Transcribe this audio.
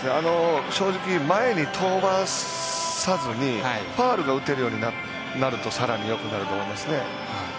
正直、前に飛ばさずにファウルが打てるようになると更に良くなると思いますね。